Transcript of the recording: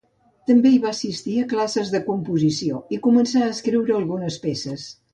També hi va assistir a classes de composició, i començà a escriure algunes peces.